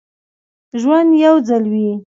ژوند یو ځل وي